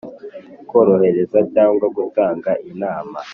korohereza cyangwa gutanga inama